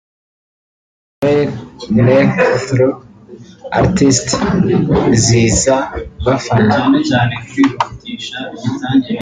Best male break through artist–Ziza Bafana…